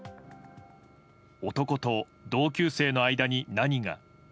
男と同級生の間に何が。